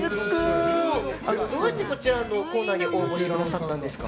どうしてこちらのコーナーに応募してくださったんですか？